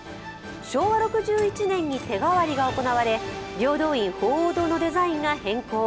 昭和６１年に手変わりが行われ平等院鳳凰堂のデザインが変更。